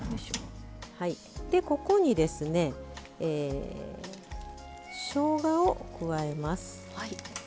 ここに、しょうがを加えます。